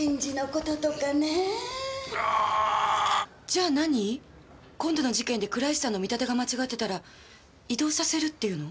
じゃあ何今度の事件で倉石さんの見立てが間違ってたら異動させるっていうの？